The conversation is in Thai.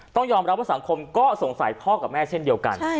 ต้องยอมรับว่าสังคมก็สงสัยพ่อกับแม่เช่นเดียวกัน